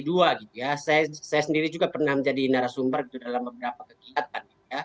saya sendiri juga pernah menjadi narasumber dalam beberapa kegiatan